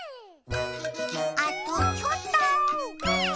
あとちょっと。